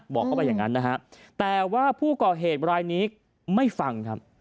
บอกเข้าไปอย่างนั้นนะฮะแต่ว่าผู้ก่อเหตุรายนี้ไม่ฟังครับ